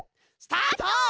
スタート！